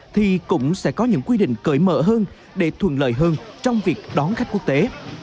thì cũng sẽ có những quy định cởi mở hơn để thuận lợi hơn trong việc đón khách quốc tế